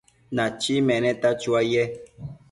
Nachi meneta chuaye